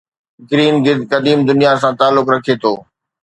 green گدھ قديم دنيا سان تعلق رکي ٿو